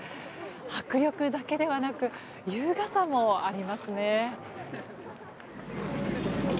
迫力だけではなく優雅さもありますね。